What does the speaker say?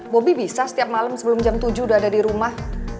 bobi bisa setiap malam sebelum jam tujuh udah ada di rumah